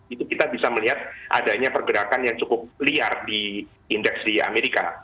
itu kita bisa melihat adanya pergerakan yang cukup liar di indeks di amerika